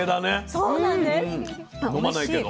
そうなんです。